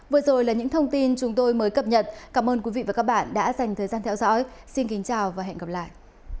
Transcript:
vừa rồi là những thông tin chúng tôi mới cập nhật xin kính chào và hẹn gặp lại